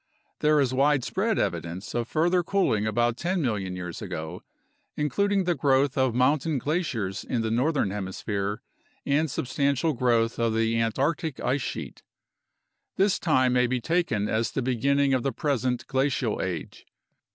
There is widespread evidence of further cooling about 10 million years ago, including the growth of mountain glaciers in the northern hemisphere and substantial growth of the Antarctic ice sheet; this time may be taken as the beginning of the present glacial age.